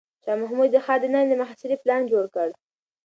شاه محمود د ښار دننه د محاصرې پلان جوړ کړ.